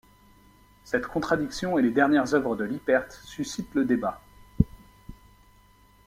Cette contradiction et les dernières œuvres de Lippert suscitent le débat.